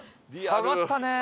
下がったね。